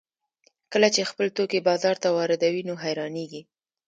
کله چې خپل توکي بازار ته واردوي نو حیرانېږي